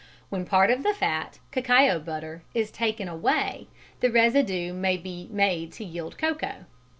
When part of the fat (cacao butter) is taken away the residue may be made to yield cocoa.